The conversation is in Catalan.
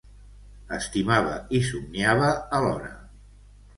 Estimava i somniava a l'hora